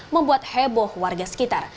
membuat heboh warga sekitar